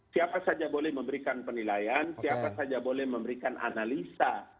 siapa saja boleh memberikan penilaian siapa saja boleh memberikan analisa